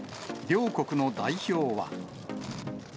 両国の代表は。